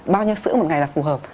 bao nhiêu sữa một ngày là phù hợp